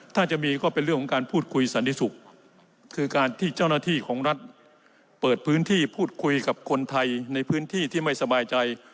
ถ้าจะมีก็เป็นเรื่องของการพูดคุยสันติสุขคือการที่เจ้าหน้าที่ของรัฐเปิดพื้นที่พูดคุยกับคนไทยในพื้นที่ที่ไม่สบายใจ